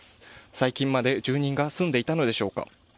最近まで住人が住んでいたのでしょうか。